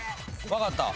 分かった。